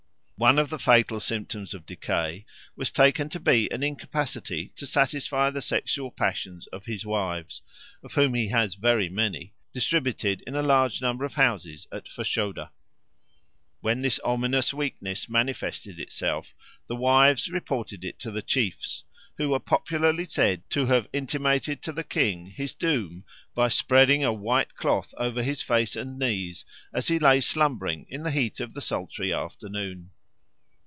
One of the fatal symptoms of decay was taken to be an incapacity to satisfy the sexual passions of his wives, of whom he has very many, distributed in a large number of houses at Fashoda. When this ominous weakness manifested itself, the wives reported it to the chiefs, who are popularly said to have intimated to the king his doom by spreading a white cloth over his face and knees as he lay slumbering in the heat of the sultry afternoon.